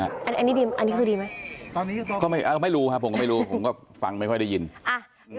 อันนี้ดีอันนี้คือดีไหมตอนนี้ก็ไม่รู้ครับผมก็ไม่รู้ผมก็ฟังไม่ค่อยได้ยินอ่ะ